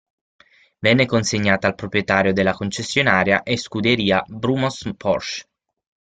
Venne consegnata al proprietario della concessionaria e scuderia Brumos-Porsche.